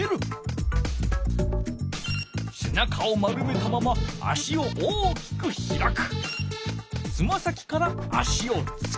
せなかをまるめたまま足を大きく開く。